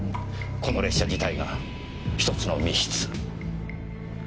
この列車自体が１つの密室。